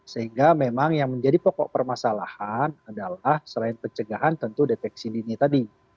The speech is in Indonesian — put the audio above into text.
sehingga memang yang menjadi pokok permasalahan adalah selain pencegahan tentu deteksi dini tadi